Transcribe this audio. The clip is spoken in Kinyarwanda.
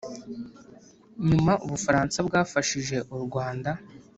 nyuma u bufaransa bwafashije u rwanda